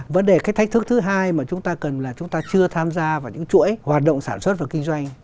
vấn đề cái thách thức thứ hai mà chúng ta cần là chúng ta chưa tham gia vào những chuỗi hoạt động sản xuất và kinh doanh